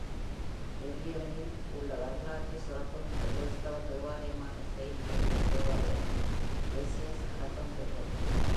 லெவியவெனில் உள்ள வரலாற்று சிறப்பு மிக்க கிறிஸ்தவ தேவாலயமான செயிண்ட் மைக்கேல் தேவாலயத்தில், லெசியஸ் அடக்கம் செய்யப்பட்டுள்ளார்.